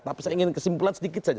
tapi saya ingin kesimpulan sedikit saja